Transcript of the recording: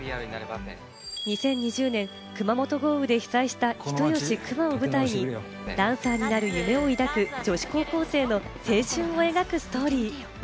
２０２０年、熊本豪雨で被災した人吉・球磨を舞台に、ダンサーになる夢を抱く女子高校生の青春を描くストーリー。